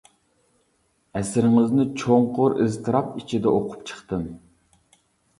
ئەسىرىڭىزنى چوڭقۇر ئىزتىراپ ئىچىدە ئوقۇپ چىقتىم.